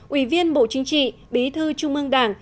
ủy viên bộ chính trị bí thư trung ương đảng